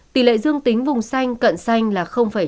tỷ lệ dương tính vùng xanh cận xanh là bảy